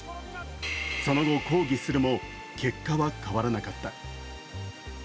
その後、抗議するも、結果は変わらなかった。